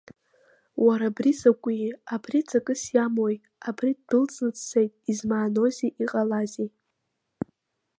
Уара абри закәи, абри ҵакыс иамоуи, абри ддәылҵны дцеит, измааноузеи, иҟалази?